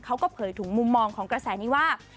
เผยถึงมุมมองของกระแสนี้ว่า